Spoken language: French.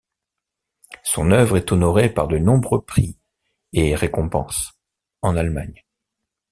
Son œuvre est honorée par de nombreux prix et récompenses en Allemagne.